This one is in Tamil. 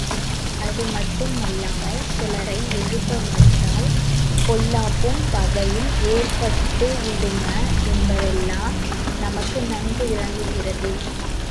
அது மட்டுமல்லாமல், சிலரை எழுப்ப மறுத்தால் பொல்லாப்பும் பகையும் ஏற்பட்டுவிடும என்பதெல்லாம் நமக்கு நன்கு விளங்குகிறது.